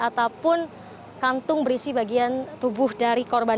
ataupun kantung berisi bagian tubuh dari korban